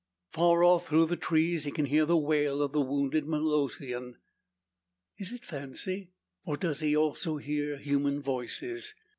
Far off through the trees he can hear the wail of the wounded Molossian. Is it fancy, or does he also hear human voices?